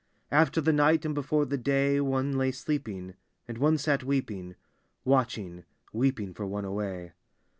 After the ni^t and before the day, One lay sleeping; and one sat weeping — Watching, weeping for one away.